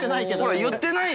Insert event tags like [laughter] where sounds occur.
呂言ってない [laughs]